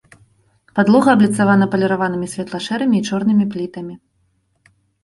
Падлога абліцавана паліраванымі светла-шэрымі і чорнымі плітамі.